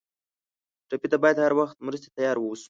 ټپي ته باید هر وخت مرستې ته تیار ووسو.